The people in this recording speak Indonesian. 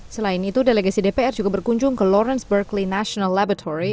selain itu delegasi dpr juga berkunjung ke lawrence berkeley national laboratory